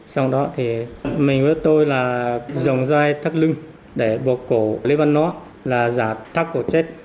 xong đó thì mình với tôi là dòng dây thắt lưng để buộc cổ lý văn nó là giả thắt cổ chết